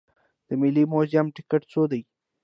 د ملي موزیم ټکټ څو دی؟